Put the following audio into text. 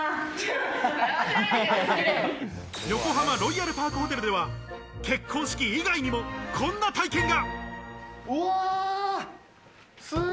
横浜ロイヤルパークホテルでは結婚式以外にもこんな体験が。